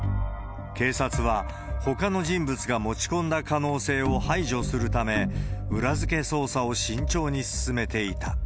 警察は、ほかの人物が持ち込んだ可能性を排除するため、裏付け捜査を慎重に進めていた。